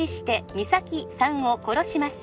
実咲さんを殺します